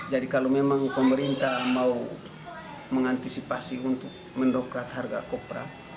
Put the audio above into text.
jadi kalau memang pemerintah mau mengantisipasi untuk mendongkrat harga kopra